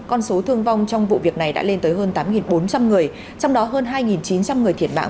con số thương vong trong vụ việc này đã lên tới hơn tám bốn trăm linh người trong đó hơn hai chín trăm linh người thiệt mạng